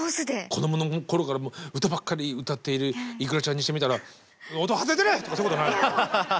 子どもの頃から歌ばっかり歌っているｉｋｕｒａちゃんにしてみたら「音外れてる！」とかそういうことないの？